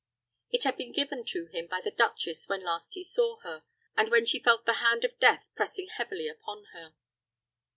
It had been given to him by the duchess when last he saw her, and when she felt the hand of death pressing heavily upon her.